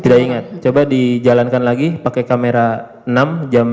tidak ingat coba dijalankan lagi pakai kamera enam jam tujuh belas dua puluh tujuh